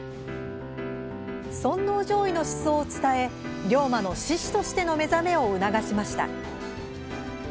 尊皇攘夷の思想を伝え龍馬の志士としての目覚めを促しました。